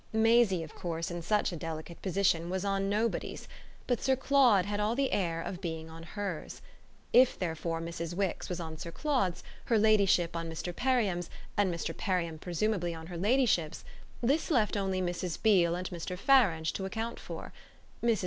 Maisie of course, in such a delicate position, was on nobody's; but Sir Claude had all the air of being on hers. If therefore Mrs. Wix was on Sir Claude's, her ladyship on Mr. Perriam's and Mr. Perriam presumably on her ladyship's, this left only Mrs. Beale and Mr. Farange to account for. Mrs.